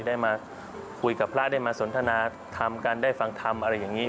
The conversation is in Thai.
ได้มาคุยกับพระได้มาสนทนาทำกันได้ฟังธรรมอะไรอย่างนี้